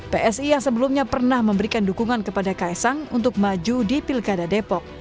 psi yang sebelumnya pernah memberikan dukungan kepada kaisang untuk maju di pilkada depok